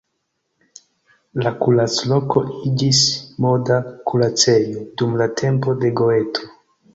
La kuracloko iĝis moda kuracejo dum la tempo de Goeto.